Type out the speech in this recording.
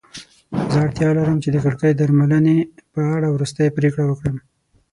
زه اړتیا لرم چې د کړکۍ درملنې په اړه وروستۍ پریکړه وکړم.